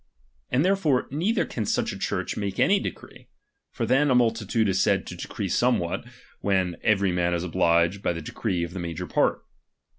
And therefore neither call such a ^| Church make any decree ; for then a multitude is ^^k said to decree somewhat, when every man is obliged ^| by the decree of the major part.